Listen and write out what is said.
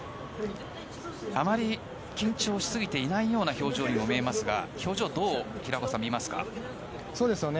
あまり緊張しすぎていないような表情にも見えますが表情、どう平岡さん見ますか？